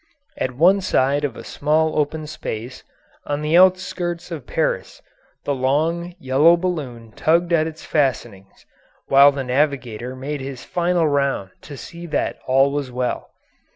At one side of a small open space on the outskirts of Paris the long, yellow balloon tugged at its fastenings, while the navigator made his final round to see that all was well.